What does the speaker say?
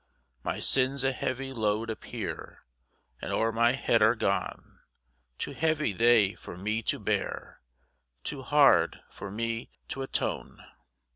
3 My sins a heavy load appear, And o'er my head are gone; Too heavy they for me to bear, Too hard for me t' atone.